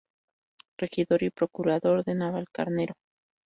Regidor y procurador de Navalcarnero.